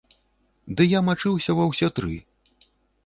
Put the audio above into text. Ды я мачыўся ва ўсе тры!